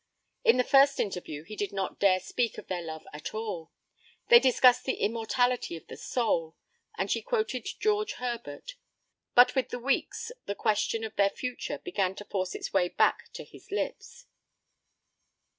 In the first interview, he did not dare speak of their love at all. They discussed the immortality of the soul, and she quoted George Herbert. But with the weeks the question of their future began to force its way back to his lips.